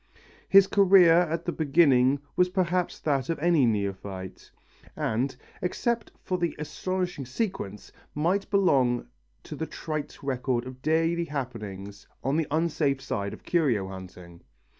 His career at the beginning was perhaps that of any other neophyte, and except for the astonishing sequence, might belong to the trite record of daily happenings on the unsafe side of curio hunting.